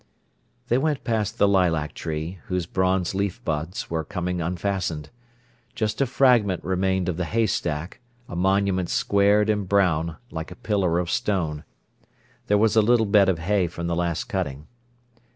They went past the lilac tree, whose bronze leaf buds were coming unfastened. Just a fragment remained of the haystack, a monument squared and brown, like a pillar of stone. There was a little bed of hay from the last cutting.